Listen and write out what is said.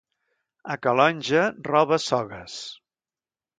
A Calonge, roba-sogues.